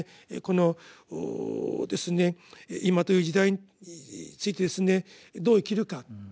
この今という時代についてですねどう生きるか。